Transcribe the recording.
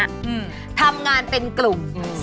ถึงทำงานเป็นกลุ่ม